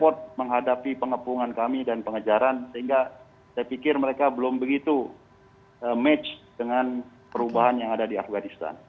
untuk menghadapi pengepungan kami dan pengejaran sehingga saya pikir mereka belum begitu match dengan perubahan yang ada di afganistan